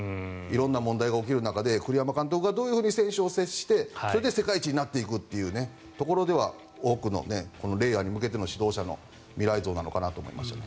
色んな問題が起きる中で栗山監督がどう選手と接して世界一になっていくというところでは多くの、令和に向けての指導者の未来像なのかなと思いましたね。